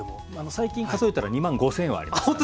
最近数えたら２万５，０００はありましたね。